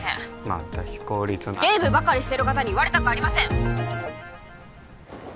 また非効率なゲームばかりしてる方に☎言われたくありません！